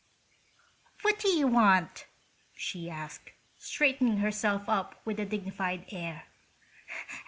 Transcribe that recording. "What do you want?" she asked, straightening herself up with a dignified air.